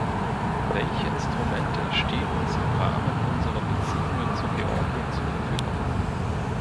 Welche Instrumente stehen uns im Rahmen unserer Beziehungen zu Georgien zur Verfügung?